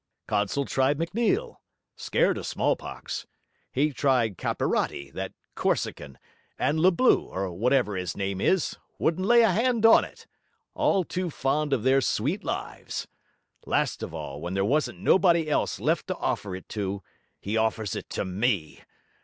Consul tried M'Neil; scared of smallpox. He tried Capirati, that Corsican and Leblue, or whatever his name is, wouldn't lay a hand on it; all too fond of their sweet lives. Last of all, when there wasn't nobody else left to offer it to, he offers it to me.